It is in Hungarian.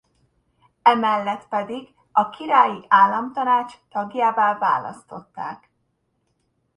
Emellett pedig a Királyi Államtanács tagjává választották.